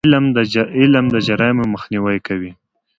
علم د جرایمو مخنیوی کوي.